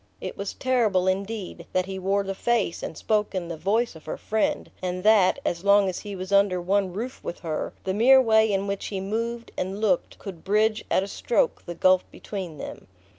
It was terrible, indeed, that he wore the face and spoke in the voice of her friend, and that, as long as he was under one roof with her, the mere way in which he moved and looked could bridge at a stroke the gulf between them.